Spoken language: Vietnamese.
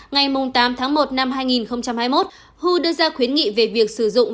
ngày tám tháng một năm hai nghìn hai mươi một hu đưa ra khuyến nghị về việc sử dụng